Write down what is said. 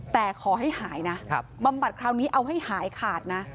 แต่ขอให้หายนะบำบัดคราวนี้เอาให้หายขาดนะ